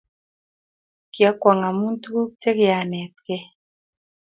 kiokwong amu tukuk chekianetkei